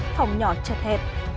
trong phòng kín phòng nhỏ chật hẹp